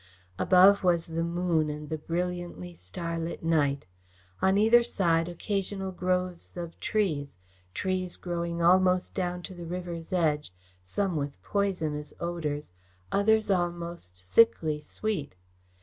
Above was the moon and the brilliantly starlit night; on either side occasional groves of trees trees growing almost down to the river's edge, some with poisonous odours, others almost sickly sweet.